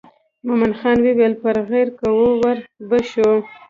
مومن خان وویل پر غیر کوو ور به شو.